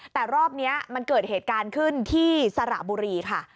แต่รอบนี้มันเกิดเหตุการณ์ขึ้นที่สระบุรีค่ะ